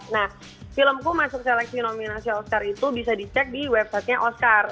nah filmku masuk seleksi nominasi oscar itu bisa dicek di websitenya oscar